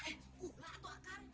eh gula atau akar